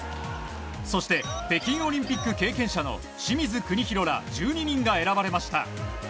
そして北京オリンピック経験者の清水邦広ら１２人が選ばれました。